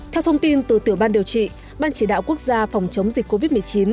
theo thông tin từ tiểu ban điều trị ban chỉ đạo quốc gia phòng chống dịch covid một mươi chín